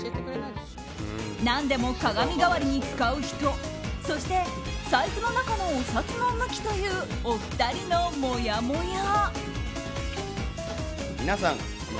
何でも鏡代わりに使う人そして、財布の中のお札の向きというお二人のもやもや。